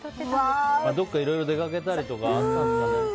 どこか、いろいろ出かけたりとかあったんですかね。